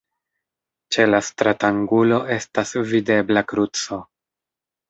Ĉe la stratangulo estas videbla kruco.